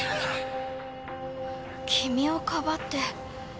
君をかばって。